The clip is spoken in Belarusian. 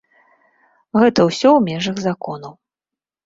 Гэта ўсё ў межах закону.